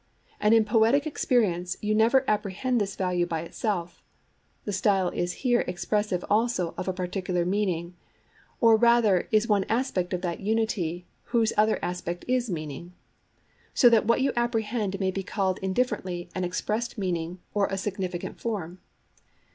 And in poetic experience you never apprehend this value by itself; the style is here expressive also of a particular meaning, or rather is one aspect of that unity whose other aspect is meaning. So that what you apprehend may be called indifferently an expressed meaning or a significant form.